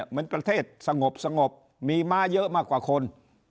เหมือนประเทศสงบมีม้าเยอะมากกว่าคน